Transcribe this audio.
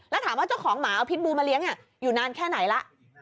แล้วถามว่าเจ้าของหมาเอาพิษบูมาเลี้ยงอยู่นานแค่ไหนล่ะ